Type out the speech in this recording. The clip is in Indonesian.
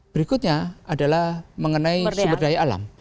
berikutnya adalah mengenai sumber daya alam